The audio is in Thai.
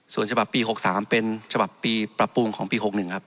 ส่วนฉบับปี๖๓เป็นฉบับปีปรับปรุงของปี๖๑ครับ